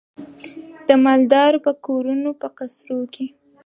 د مالدارو په کورونو په قصرو کي